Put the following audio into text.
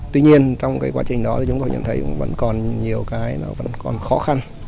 tuy nhiên trong quá trình đó chúng tôi nhận thấy vẫn còn nhiều cái nó vẫn còn khó khăn